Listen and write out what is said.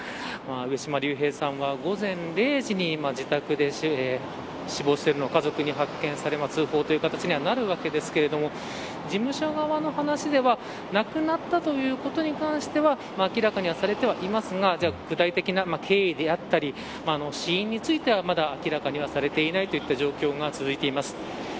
上島竜兵さんは午前０時に自宅で死亡しているのを家族に発見され通報という形にはなるわけですけど事務所側の話では亡くなったということに関しては明らかにされてはいますが具体的な経緯であったり死因については、まだ明らかにされていないといった状況が続いています。